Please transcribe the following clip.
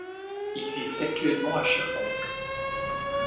Ils vivent actuellement à Sherbrooke.